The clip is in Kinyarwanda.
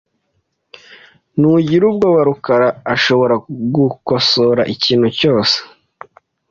Ntugire ubwoba .rukara arashobora gukosora ikintu cyose .